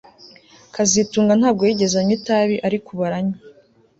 kazitunga ntabwo yigeze anywa itabi ariko ubu aranywa